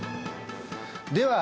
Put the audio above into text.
では